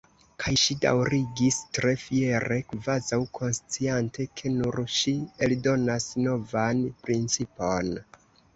Kaj ŝi daŭrigis tre fiere, kvazaŭ konsciante ke nun ŝi eldonas novan principon.